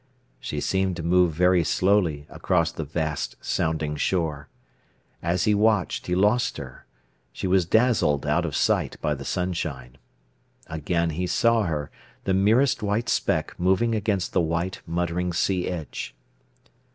She seemed to move very slowly across the vast sounding shore. As he watched, he lost her. She was dazzled out of sight by the sunshine. Again he saw her, the merest white speck moving against the white, muttering sea edge.